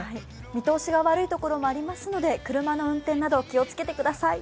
見通しも悪いところがありますので、車の運転など気をつけてください。